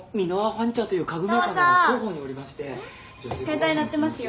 携帯鳴ってますよ。